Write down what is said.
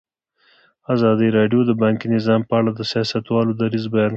ازادي راډیو د بانکي نظام په اړه د سیاستوالو دریځ بیان کړی.